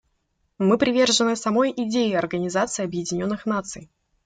Мы привержены самой идее Организации Объединенных Наций.